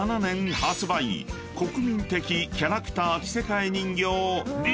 ［国民的キャラクター着せ替え人形］